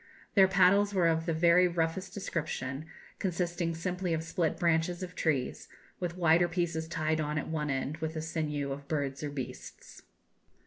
Their paddles were of the very roughest description, consisting simply of split branches of trees, with wider pieces tied on at one end with the sinews of birds or beasts."